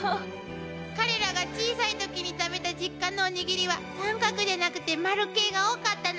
彼らが小さい時に食べた実家のおにぎりは三角でなくて丸系が多かったの。